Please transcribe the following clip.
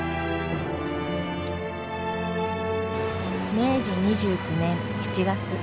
明治２９年７月。